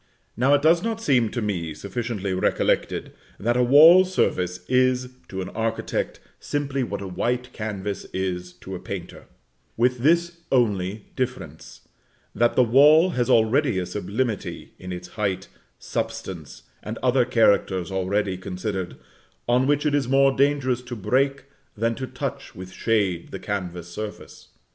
Now, it does not seem to me sufficiently recollected, that a wall surface is to an architect simply what a white canvas is to a painter, with this only difference, that the wall has already a sublimity in its height, substance, and other characters already considered, on which it is more dangerous to break than to touch with shade the canvas surface.